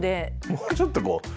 もうちょっとこう。